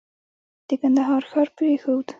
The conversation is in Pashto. د کندهار ښار پرېښود.